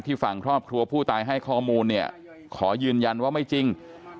ฝั่งครอบครัวผู้ตายให้ข้อมูลเนี่ยขอยืนยันว่าไม่จริง